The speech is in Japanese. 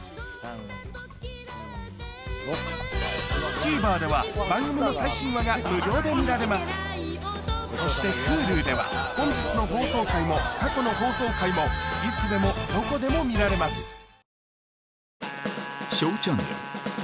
ＴＶｅｒでは番組の最新話が無料で見られますそしてＨｕｌｕでは本日の放送回も過去の放送回もいつでもどこでも見られますねぇ